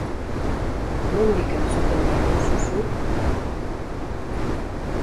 Nondik entzuten gaituzu zuk?